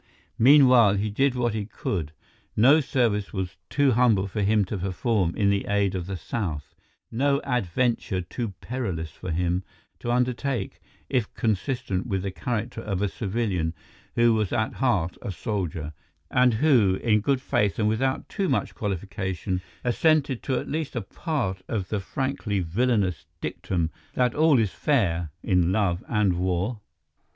Meanwhile he did what he could. No service was too humble for him to perform in the aid of the South, no adventure too perilous for him to undertake if consistent with the character of a civilian who was at heart a soldier, and who in good faith and without too much qualification assented to at least a part of the frankly villainous dictum that all is fair in love and war.